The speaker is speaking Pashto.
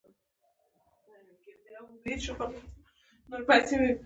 ملت خپل زخم نه ویني.